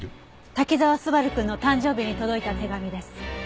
滝沢昴くんの誕生日に届いた手紙です。